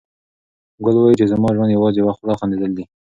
ګل وايي چې زما ژوند یوازې یوه خوله خندېدل دي.